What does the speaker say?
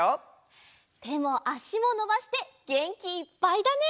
てもあしものばしてげんきいっぱいだね！